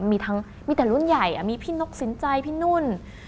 มีทั้งมีแต่รุ่นใหญ่มีพี่นกสินใจพี่นุ่น